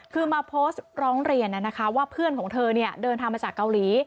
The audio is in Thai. คือมาโพสต์ร้องเรียนว่าเพื่อนของเธอเดินทางมาจากเกาหลี